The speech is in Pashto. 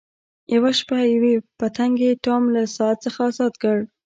یوه شپه یوې پتنګې ټام له ساعت څخه ازاد کړ.